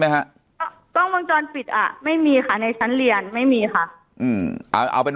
ไหมฮะกล้องวงจรปิดไม่มีอ่ะในชั้นเรียนไม่มีค่ะเอาเป็น